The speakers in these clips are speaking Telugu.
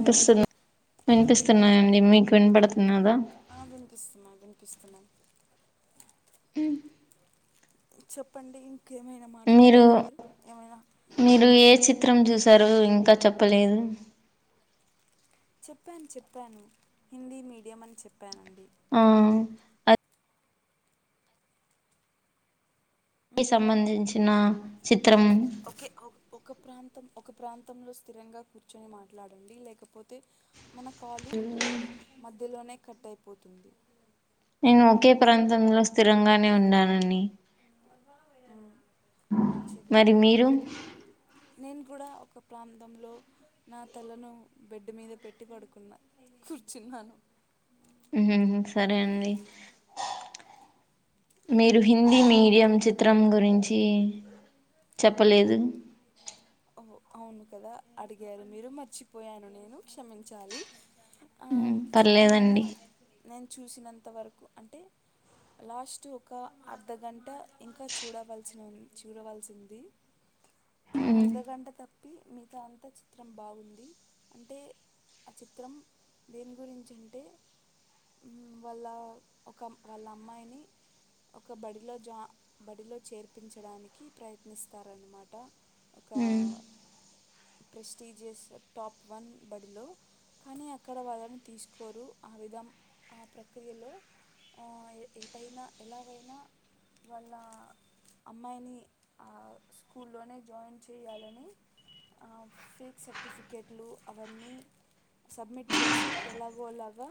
హాయ్ అండి వినిపిస్తున్నాయండి మీకు వినపడత అబను కస్తుమ [unintelligible] ఏం చెప్పండి ఇంకేమైనా మీరు మాట్లాడాలా ఏమైనా మీరు ఏ చిత్రం చూసారు ఇంకా చెప్ప చెప్పలేదు చెప్పాను చెప్పాను హిందీ మీడియం అని చెప్పా ఆ కి సంబంధించిన చిత్రం ఒకే ఒక ప్రాంతం ఒక ప్రాంతంలో స్థిరంగా కూర్చొని మాట్లాడండి లేకపోతే మన కాలు మధ్యలోనే కట్ అయిపోతుంది ఇను ఒకే ప్రాంతంలో స్థిరంగానే ఉన్నానని ఉమ్, మంచిది మరి మీరు నేను కూడా ఒక ప్రాంతంలో నా తలను బెడ్ మీద పెట్టి పడుకున్న కూర్చున్నాను ఉ ఉ సరే అండి మీరు హిందీ ఎలా మీడియం గడుపుతున్నారు చిత్రం ఇంట్లో గురించి చెప్పలేదు అవును కదా అడిగారు మీరు మర్చిపోయాను నేను క్షమించాలి ఆ ఉమ్ చిత్రమెమో పర్లేదండి నేన్ చ చూసినంత వరకు అంటే లాస్ట్ ఒక అర్ధగంట ఇంకా చూడవలసి చూడవలసింది ఉమ్ అర్ధగంట తప్పి మిగతా అంతా చిత్రం బాగుంది అంటే ఆ చిత్రం దేని గురించి అంటే వాళ్ళ ఒక వాళ్ళ అమ్మాయిని ఒక బడిలో జాయి బడిలో చేర్పించడానికి ప్రయత్నిస్తారనమాట ఆ ఒక ఉమ్ ప్రెస్టీజియస్ టాప్ వన్ బడిలో కానీ అక్కడ వాళ్ళని తీసుకోరు ఆ విధం ఆ ప్రక్రియలో ఎటైనా ఎలాగైనా వాళ్ళ అమ్మాయిని ఆ స్కూల్లోనే జాయిన్ చేయాలని ఫేక్ సర్టిఫికెట్లు అవన్నీ సబ్మిట్ చేసి ఎలాగోలాగా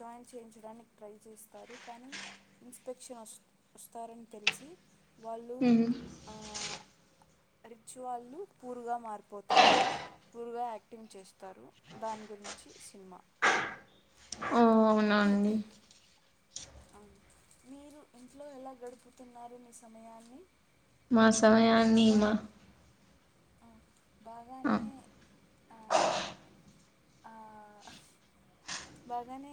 జాయిన్ చేయించడానికి ట్రై చేస్తారు కానీ ఇన్స్పెక్షన్ వస్తారువస్తారని తెలిసి వాళ్ళు మ్ రిచ్ వాళ్లు పూర్ గా మారిపోతారు పూర్ గా యాక్టింగ్ చేస్తారు దాని గురించి ఈ సినిమా ఓ అవునా అండి అవునా మీరు ఇంట్లో ఎలా గడుపుతున్నారు మీ సమయాన్ని మా సమయాన్ని బాగా మ ఆ బాగానే ఆ ఆ బాగానే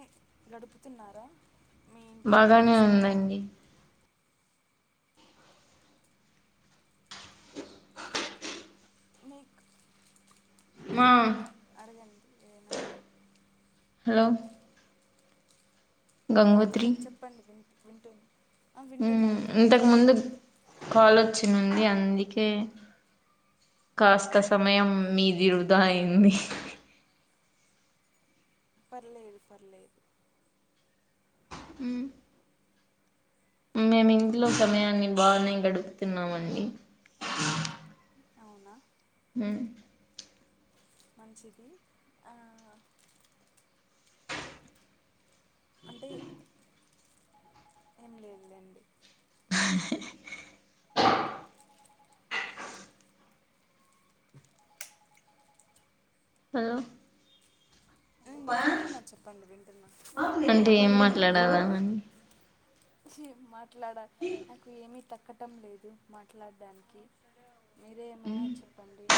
గడుపుతున్నారా మీ ఇంటిలో మీ బాగానే ఉందండి. సమయాన్ని మీక్. మా [unintelligible] [inaudible] ఏదైన. హలో ఆత్ గంగోత్రి విన్ చెప్పండి విన్. వింటోన్ ఉమ్ ఇంతక్ ముందు కాలొచ్చ్. తినుంది అందికే కాస్త సమయమ్ మీది. ఇరుదా ఐంది పర్లేదు పర్లేదు. ఉమ్ ఉమ్ మేమింట్లో సమయాన్ని బానే గడుపుతున్నామండి. ఔన మ్ మంచిది ఆ. అంటె ఏం లేదు లెండి. హలొ మ్మ్ వింటున్నా చెప్పండి వింటున్నా అంటె ఏం మాట్లాడల్ల అని. ఛి మత్ ట్లాడ నాకు ఏమి తక్క టమ్ లేదు మాట్లాడ్డానికి. మీరే ఏమైనా మ్మ్ చెప్పండి.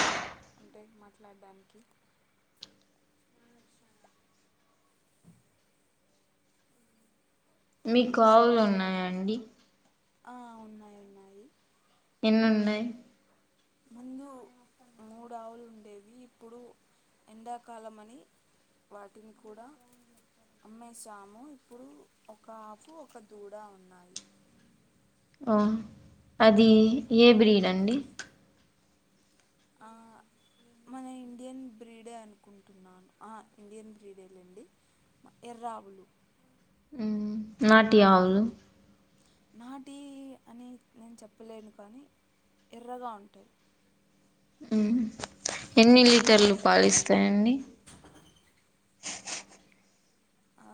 అంటం మాట్లాడ్డానికి [inaudible] ఉమ్, మీక్క్ ఆవులున్నాయ అండి ఆ ఉన్నాయ్ ఉన్నాయి. ఎన్నున్నాయ్. ముందు మూడావులుండేవి ఇప్పుడు ఎండాకాలమని వాటిని కూడా అమ్మేశాము ఇప్పుడు ఒక ఆవు ఒక దూడ ఉన్నాయి. ఒ అది ఏ బ్రీడండి. ఆ మన ఇండియన్ బ్రీడే అనుకుంటున్నాను అహా ఇండియన్ బ్రీడే లేండి ఎర్రావులు. ఉమ్ నాటీ ఆవులు. నాటీ అని నేన్ చెప్పలేను కాని ఎర్రగా ఉంటాయ్. ఉమ్ ఎన్ని లీటర్లు పాలిస్తాయండి. ఆ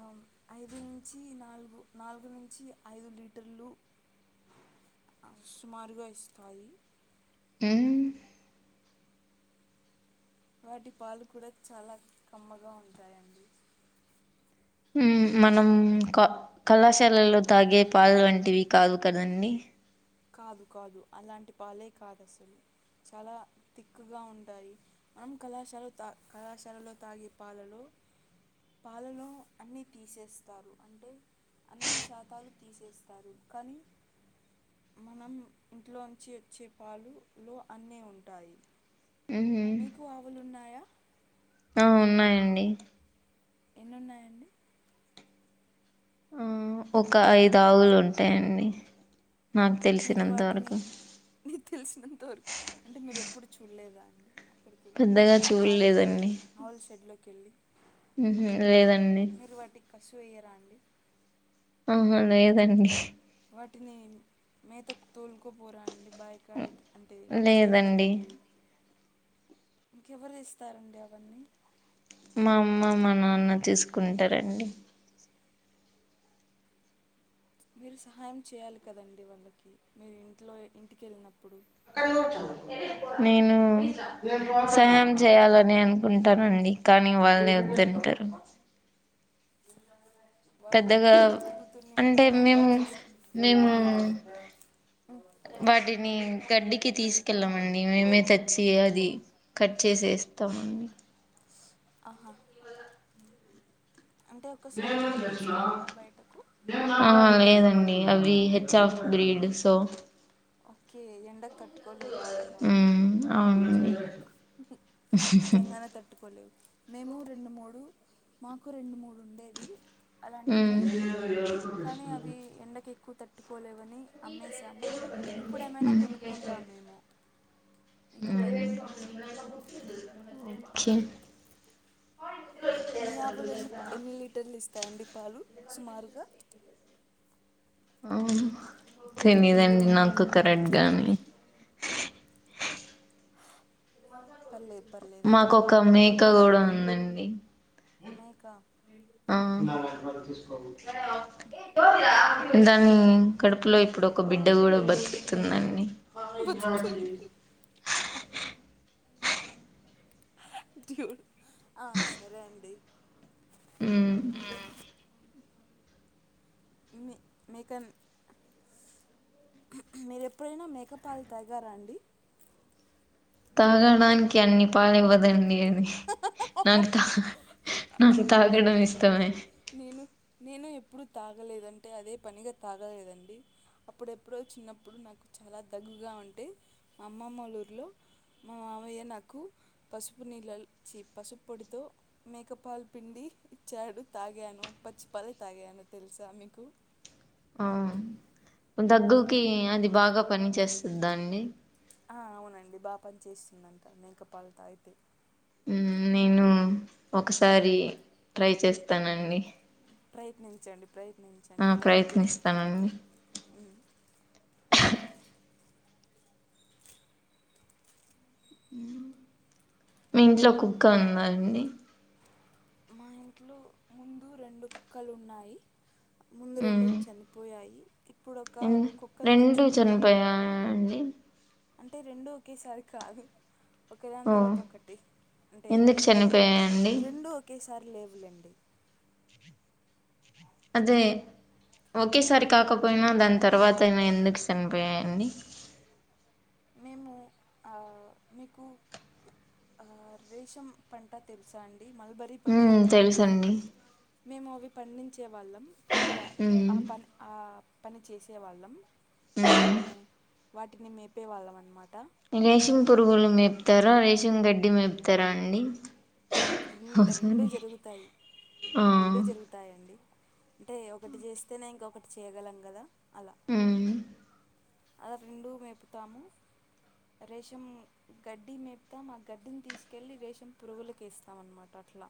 ఐదు నుంచి నాల్గు నాల్గు నుంచి ఐదు లీటర్లు సుమారుగా ఇస్తాయి. ఉమ్ వాటి పాలు కూడా చాలా కమ్మగా ఉంటాయండి. ఊ మనం క కళాశాలలో తాగే పాలు వంటివి కాదు కదండి. కాదు కాదు అలాంటి పాలే కాదు అసలు చాలా తిక్కుగా ఉంటాయి మనం కళాశాల త తాగే కళాశాలలో తాగే పాలలో పాలలో అన్నీ తీసేస్తారు అంటే అన్ని శాతాలు తీసేస్తారు కానీ మనం ఇంట్లోంచి వచ్చే పాలు లో అన్నీ ఉంటాయి ఉహు మీకు ఆవులున్నాయా ఆ ఉన్నాయండి ఎన్నున్నాయండి ఆ ఒక ఐదు ఆవులు ఉంటాయండి నాకు మీరు తెలిసినంత వాటిని వరకు నీకు తెలిసినంతవరకు అంటే మీరు ఎప్పుడు చూడలేదా అండి అక్కడికి వెళ్ళి పెద్దగా చూలేదండీ కెళ్ళి ఉహు లేదండి వాటికి కసు వేయరా అండి ఆహా లేదండి వాటిని మేతకు తోలుకోపోరా అండి బాయ కాడికి అంటే చేన్ లేదండి దగ్గరికి ఇంకెవరు ఇస్తారండి అవన్నీ మా అమ్మ మా నాన్న తీసుకుంటారండి మీరు సహాయం చేయాలి కదండి వాళ్ళకి మీరు ఇంట్లో ఇంటికెళ్ళినప్పుడు నేను సహాయం చేయాలని అనుకుంటానండి కానీ వల్లే వద్దంటారు వాళ్ళు పెద్దగా కూతుర్ని అంటే మహారాణిలా మేము చూసుకుంటారు మేము వాటిని గడ్డికి తీసుకెళ్ళామండి మేమే తెచ్చి అది కట్ చేసేస్తామ ఆహా నేనివ్వ అంటే ఒక్కసారి కూడా తీసుకెళ్ళరా బయటకు ఆ లేదండి అవి హెచ్ ఆఫ్ గ్రీడ్ సో ఓకే ఎండకు తట్టుకోలేవు పాపం అవి మ్మ్ అవునండి బుజ్జికొండలు నిజంగానే తట్టుకోలేవు మేము రెండు మూడు మాకు రెండు మూడు ఉండేవి అలాంటి మ్మ్ బ్రీడ్లు కానీ అవి ఎండకు ఎక్కువ తట్టు టుపోలేవ్ కొని అమ్మేసాము ఇప్పుడేమైనా కొనుక్కుంటామేమో మ్మ్ ఇకపై ఓకే మీ ఆవులు ఎన్ని ఎన్ని లీటర్లు ఇస్తాయండి పాలు సుమారుగా తెనిదండి నాకు కరెట్గానీ తెలియదండి పల్లెదు మాకొక మేక కూడా ఉందండి మేక ఆ భారత స్ అ దాని కడుపులో ఇప్పుడు ఒక బిడ్డ కూడా బతుకుతుందండి ప బతుకుతుంది ఇ క్యూ ఆ సరే అండి మ్మ్ మీ మీకన్ మీరు ఎప్పుడైనా మేక పాలు తాగారా అండి తాగడానికి అన్ని పాలు ఇవ్వదండి అది నాకు తా నాకు తాగడం ఇష్టమే నేను నేను ఎప్పుడూ తాగలేదంటే అదే పనిగా తాగలేదండి అప్పుడెప్పుడో చిన్నప్పుడు నాకు చాలా దగ్గుగా ఉంటే మా అమ్మమ్మలూరిలో మా మావయ్య నాకు పసుపు నీళ్ళలో చి పసుపు పొడితో మేక పాలు పిండి ఇచ్చాడు తాగాను పచ్చి పాలే తాగాను తెలుసా మీకు ఆ అది దగ్గుకి ఎప్పుడు అది బాగా పని చేేస్తుంది దాండి అవునండి బాగా పని చేస్తుందంట మేకపాలు తాగితే హు నేను ఒకసారి ట్రై చేస్తానండి ప్రయత్నించండి ఆ ప్రయత్నించండి తగ్గుతుంది ప్రయత్నిస్తానండి ఉమ్. మీ ఇంట్లో కుక్క ఉందాండి మా ఇంట్లో ముందు రెండు కుక్కలు ఉన్నాయి ముందు రెండు మ్మ్. చనిపోయాయి ఇప్పుడు ఒక ఎందు- కుక్కను రెండు తెచ్చుకున్నాము చనిపోయా అండి అంటే రెండు ఒకేసారి కాదు ఒకే దాని ఓ తర్వాత ఒకటి అంటే ఎందుకు చనిపోయాయండి రెండు ఒకే సార్ లేవులేండి అదే ఓకే సారి కాకపోయినా దం తర్వాత [unintelligible] ఎందుకు సనిపోయాయండి మేము మీకు రేషం పంట తెలుసా అండి మల్బరీ ఉ పంట తెలుసండి మేము అవి పండించేవాళ్ళం అంటే మ్మ్ ఆ పని ఆ పని చేసే వాళ్ళం అంటే మేము మ్మ్ వాటిని మేమ్ చేవాళ్ళం అనమాట రేషంగ్ పురుగులు మేపుతారా రేషంగ్ గడ్డి మేపుతారా అండి హు ఓ రెండు సారీ జరుగుతాయి ఆ రెండు జరుగుతాయిండి అంటే ఒకటి చేస్తేనే ఇంకొకటి చేయ్యగలం కదా అలా మ్మ్ అలా రెండూ మేపుతాము రేషం గడ్డి మేపుతాము ఆ గడ్డిని తీసుకెళ్ళి రేషం పురుగులలకు వేస్తాం అన్నమాట అట్లా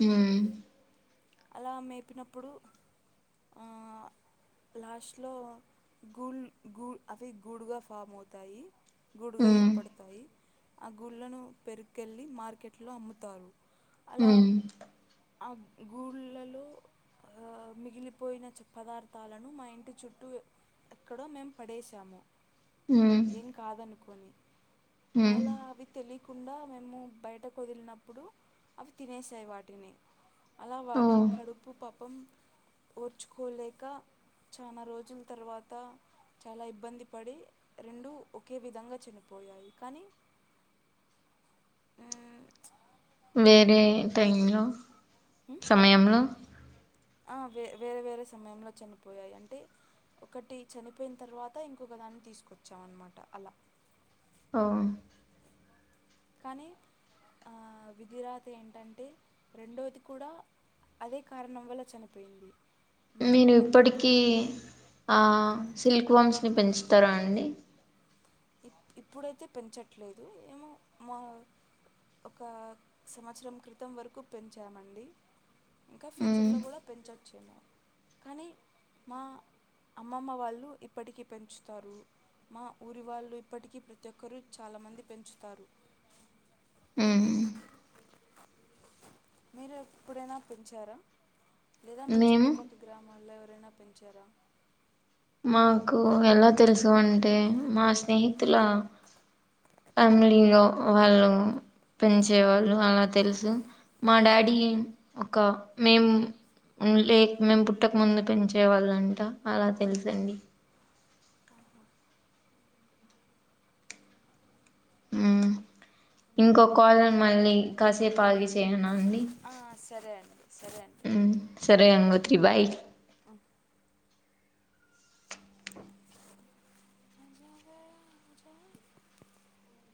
ఆ అలా మేపినప్పుడు ఆ లాస్ట్ లో గూళ గూ అవి గూడుగా ఫామ్ అవుతాయి గూడు గా మ్మ్ ఏర్పడతాయి ఆ గుళ్ళను పెరుకెళ్లి మార్కెట్ లో అమ్ముతారు అ అబ్ గూళ్ళలో ఆ మిగిలిపోయిన పదార్థాలను మా ఇంటి చుట్టూ ఎక్కడో మేము పడేసాము మ్మ్ ఏం కాదనుకో అని మ్మ్ అలా అవి తెలియకుం కుండా మేము బయటకు వదిలినప్పుడు అవి తినేసాయి వాటిని అలా ఓ వాటి కడుపు పాపం ఓర్చుకోలేక చాలా రోజుల తర్వాత చాలా ఇబ్బంది పడి రెండు ఒకే విధంగా చనిపోయాయి కానీ వేరే టైం లో సమయంలో ఆ వే వేరే వేరే సమయంలో చనిపోయాయి అంటే ఒకటి చనిపోయిన తర్వాత ఇంకొక దాన్ని తీసుకొచ్చాం అన్నమాట అలా ఉ కానీ విధి రాత ఏంటంటే రెండవది కూడా అదే కారణం వల్ల చనిపోయింది మేము నేను ఎంత ఇప్పటికీ బుద్ధి ఆ సిల్క్ వమ్స్ ని పెంచుతా స్తార అండి ఇ ఇప్పుడైతె పెంచట్లేదు ఏమో మా ఒక సంవత్సరం క్రితం వరకు పెంచామండి ఇంక మ్మ్ ఫ్యూచర్లొ కూడ పెంచచ్ కాని మా అమ్మమ్మ వాళ్లు ఇప్పటికి పెంచుతారు మా ఊరి వాళ్ళు ఇప్పటికి ప్రతి ఒక్కరు చాలా మంది పెంచుతారు ఊ మీరు ఎప్పుడైన పెంచార లేద మీ మేము చుట్టుపక్క గ్రామ మళ్ళా ఎవరైనా పెంచార మాకూ ఎలా తెల్సిందంటే దంటే మా స్నేహితుల అమిలీలొ వాళ్ళు పెంచేవాళ్ళు అల తెల్స్ మా డాడీ ఒక మేము లే మేమ్ పుట్టక ముందు పెంచేవాళ్ళంట అల తెల్సండి ఊ ఇంకొ కాల్ మళ్ళీ కాసేపు ఆగి చేయనా అండి ఆ సరే అండి సరే అండి ఊమ్ సరే అండ్ ఓకే బాయ్ [inaudible] [unintelligible]